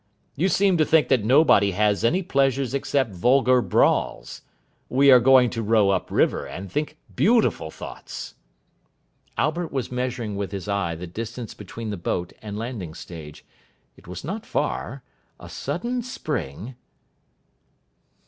You seem to think that nobody has any pleasures except vulgar brawls. We are going to row up river, and think beautiful thoughts." Albert was measuring with his eye the distance between the boat and landing stage. It was not far. A sudden spring....